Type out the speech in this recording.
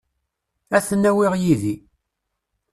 Ad ten-awiɣ yid-i.